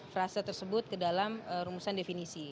frase tersebut ke dalam rumusan definisi